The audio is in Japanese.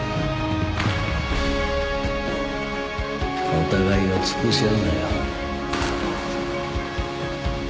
お互いをつぶし合うなよ